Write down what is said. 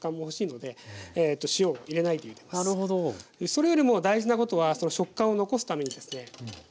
それよりも大事なことは食感を残すためにですね